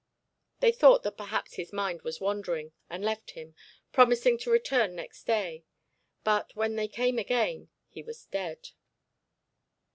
They thought that perhaps his mind was wandering, and left him, promising to return next day; but when they came again he was dead.